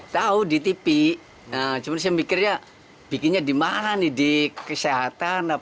tahu di tv cuma saya mikirnya dimana nih di kesehatan